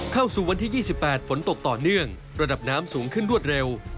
เข้าสู่วันที่๒๘ฝนตกต่อเนื่องระดับน้ำสูงขึ้นรวดเร็ว